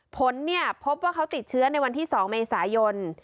ผลพบว่าเขาติดเชื้อในวันที่๒เมษายน